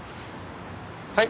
はい？